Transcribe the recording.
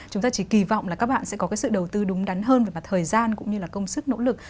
chúng ta chỉ kỳ vọng là các bạn sẽ có cái sự đầu tư đúng đắn hơn về mặt thời gian cũng như là công sức nỗ lực